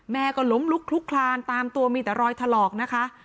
ก็ล้มลุกคลุกคลานตามตัวมีแต่รอยถลอกนะคะ